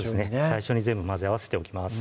最初に全部混ぜ合わせておきます